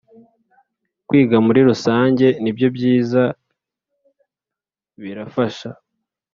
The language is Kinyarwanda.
Kwiga muri rusange nibyo byiza birafasha